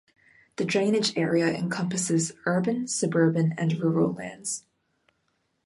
The drainage area encompasses urban, suburban and rural lands.